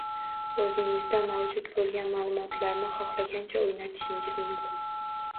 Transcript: Oʻzingizda mavjud boʻlgan maʼlumotlarni xohlagancha oʻynatishingiz mumkin.